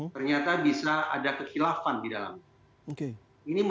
ternyata bisa ada kekhilafan di dalamnya